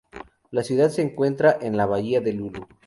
La ciudad se encuentra en la bahía de Lulu.